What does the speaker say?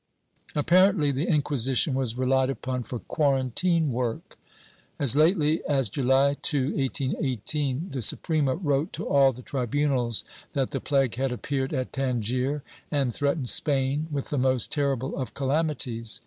Apparently the Inquisition was relied upon for quarantine work. As lately as July 2, 1818, the Suprema wrote to all the tribunals that the plague had appeared at Tangier and threatened Spain with the most terrible of calamities.